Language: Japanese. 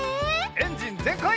エンジンぜんかい！